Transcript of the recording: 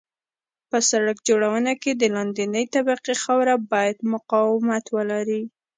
په سرک جوړونه کې د لاندنۍ طبقې خاوره باید مقاومت ولري